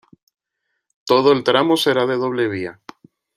Todo el tramo será de doble vía.